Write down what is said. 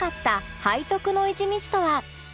背徳の１日とは？